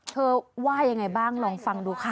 ว่ายังไงบ้างลองฟังดูค่ะ